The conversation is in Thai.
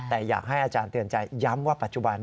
แต่อยากให้อาจารย์เตือนใจย้ำว่าปัจจุบัน